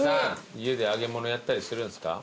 家で揚げ物やったりするんですか？